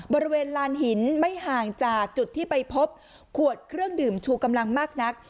บริเวณลานหินไม่ห่างจากจุดที่ไปพบขวดเครื่องดื่มชูกำลังมากนัก